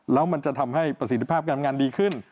แล้วมันจะทำให้ประสิทธิภาพการงานดีขึ้น